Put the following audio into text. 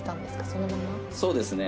そうですね